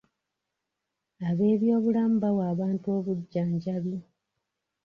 Ab'ebyobulamu bawa abantu obujjanjabi.